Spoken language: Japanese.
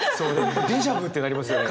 デジャブってなりますよね。